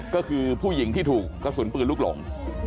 ก็คือผู้หญิงที่ถูกกระสุนปืนลูกหลง